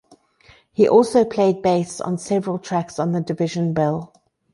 He also played bass on several tracks on "The Division Bell".